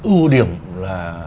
ưu điểm là